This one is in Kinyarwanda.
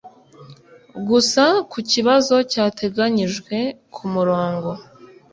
gusa ku kibazo cyateganyijwe ku murongo